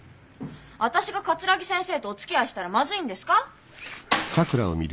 私が桂木先生とおつきあいしたらまずいんですか？